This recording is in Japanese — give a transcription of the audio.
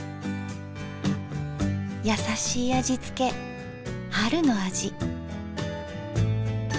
優しい味付け春の味。